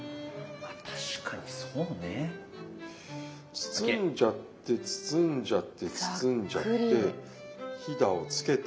まあ確かにそうね。包んじゃって包んじゃって包んじゃってヒダをつけて。